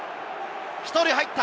１人入った！